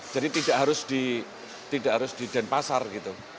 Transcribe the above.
jadi tidak harus di denpasar gitu